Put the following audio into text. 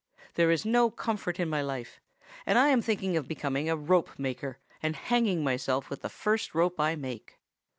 There is no comfort in my life, and I am thinking of becoming a rope maker and hanging myself with the first rope I make.